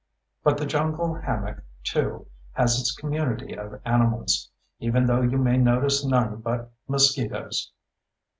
But the jungle hammock, too, has its community of animals—even though you may notice none but mosquitoes.